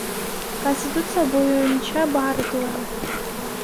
Конституция боюнча баары туура.